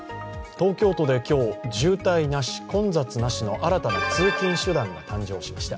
東京都で今日、渋滞なし・混雑なしの新たな通勤手段が誕生しました。